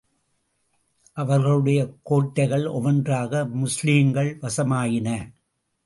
அவர்களுடைய கோட்டைகள் ஒவ்வொன்றாக முஸ்லிம்கள் வசமாயின.